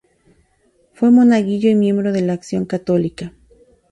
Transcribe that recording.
Fue monaguillo y miembro de la Acción Católica.